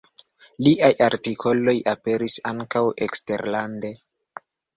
Liaj artikoloj aperis ankaŭ eksterlande.